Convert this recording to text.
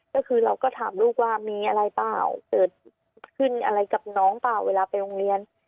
ก็คือเราก็ถามลูกว่ามีอะไรเปล่าเกิดขึ้นอะไรกับน้องเปล่าเวลาไปโรงเรียน